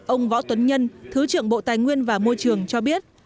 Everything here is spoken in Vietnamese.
ông võ tuấn nhân thứ trưởng bộ tài nguyên và môi trường cho biết